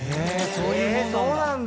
そういうもんなんだ。